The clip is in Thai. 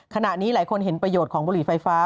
ขณะนี้หลายคนเห็นประโยชน์ของบุหรี่ไฟฟ้า